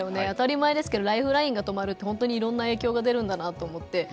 当たり前ですけどライフラインが止まるって本当にいろんな影響が出るんだなと思って。